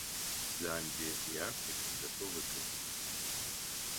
Замбия и Африка готовы к этому.